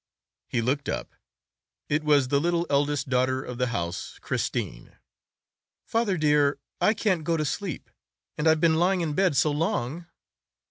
He looked up—it was the little eldest daughter of the house, Christine. "Father dear, I can't go to sleep, and I've been lying in bed so long!"